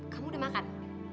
kamu udah makan